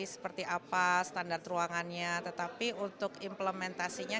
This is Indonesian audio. seperti apa standar ruangannya tetapi untuk implementasinya